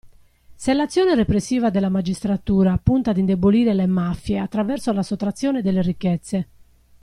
Se l'azione repressiva della magistratura punta ad indebolire le mafie attraverso la sottrazione delle ricchezze.